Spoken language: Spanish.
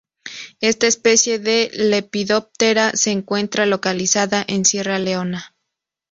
Esta especie de Lepidoptera se encuentra localizada en Sierra Leona.